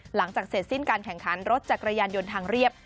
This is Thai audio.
หลังจากเสร็จสิ้นการแข่งขันรถจักรยานยนต์ทางเรียบ